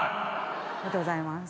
ありがとうございます。